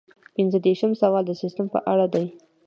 پنځه دېرشم سوال د سیسټم په اړه دی.